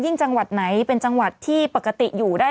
จังหวัดไหนเป็นจังหวัดที่ปกติอยู่ได้